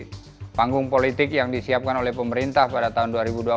sebagai panggung politik yang disiapkan oleh pemerintah pada tahun dua ribu dua puluh empat